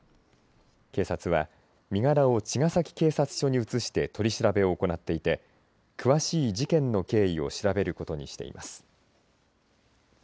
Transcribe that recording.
警察は身柄を茅ヶ崎警察署に移して取り調べを行っていて詳しい事件の経緯を調べることにしています。